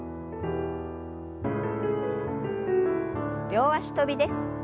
両脚跳びです。